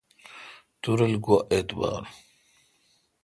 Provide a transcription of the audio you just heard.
تو رل گوا اعتبار۔